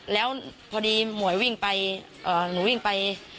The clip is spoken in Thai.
แล้วพอดีหมวยวิ่งไปหนูวิ่งไป